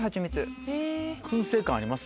燻製感あります？